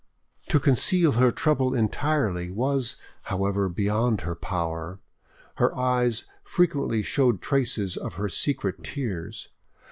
To conceal her trouble entirely was, however, beyond her power; her eyes frequently showed traces of her secret tears.